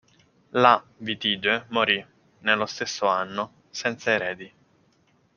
Là Vitige morì, nello stesso anno, senza eredi.